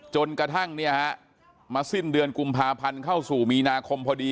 จนกระทั่งเนี่ยฮะมาสิ้นเดือนกุมภาพันธ์เข้าสู่มีนาคมพอดี